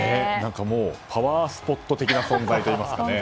もう、パワースポット的な存在といいますか。